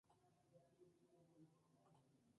Cloud se lanza a ellos, y hay una explosión.